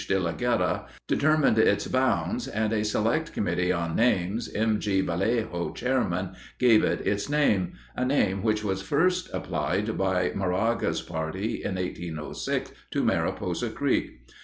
de la Guerra, determined its bounds, and a Select Committee on Names, M. G. Vallejo, Chairman, gave it its name—a name which was first applied by Moraga's party in 1806 to Mariposa Creek.